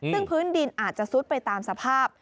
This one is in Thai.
ซึ่งพื้นดินอาจจะซุดไปตามสภาพ